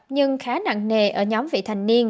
nhưng khá nặng nề ở nhóm vị thành niên